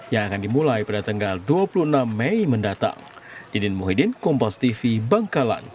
yang akan dimulai pada tanggal dua puluh enam mei mendatang